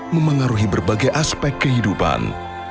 memengaruhi berbagai aspek kehidupan